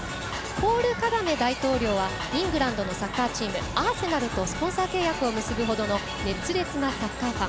ポール・カガメ大統領はイングランドのサッカーチームアーセナルとスポンサー契約を結ぶほどの熱烈なサッカーファン。